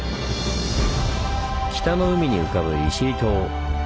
北の海に浮かぶ利尻島。